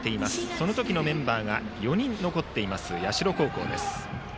その時のメンバーが４人残っている社高校です。